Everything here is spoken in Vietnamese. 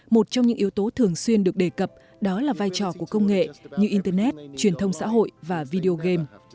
một trong những yếu tố thường xuyên được đề cập đó là vai trò của công nghệ như internet truyền thông xã hội và video game